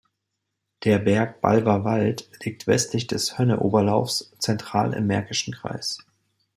Der Berg Balver Wald liegt, westlich des Hönne-Oberlaufes, zentral im Märkischen Kreis.